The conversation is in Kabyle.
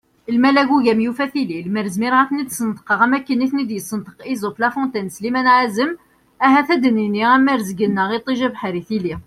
Lmal agugam yufa tili, lemmer zmireɣ ad ten-id-sneṭqeɣ am akken i ten-id-yessenṭeq Esope, La Fontaine d Slimane Ɛazem ahat ad d-inin : am rrezg-nneɣ iṭij, abeḥri, tili!